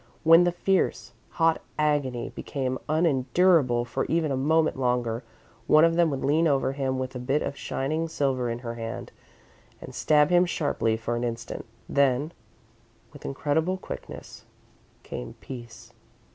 When the fierce, hot agony became unendurable for even a moment longer, one of them would lean over him with a bit of shining silver in her hand, and stab him sharply for an instant. Then, with incredible quickness, came peace.